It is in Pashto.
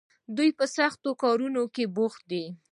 دوی په سختو کارونو کې بوخت دي.